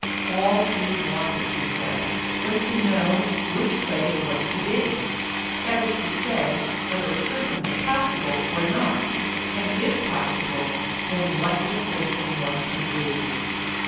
All he wanted he said, was to know which way it was to be—that is to say whether a system was possible or not, and if possible then what the system was to be.